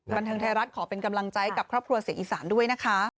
บันเทิงไทยรัฐขอเป็นกำลังใจกับครอบครัวเสียงอีสานด้วยนะคะ